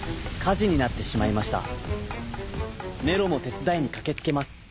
ネロもてつだいにかけつけます。